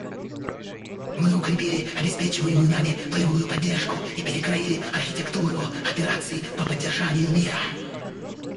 Мы укрепили обеспечиваемую нами полевую поддержку и перекроили архитектуру операций по поддержанию мира.